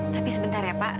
tapi sebentar ya pak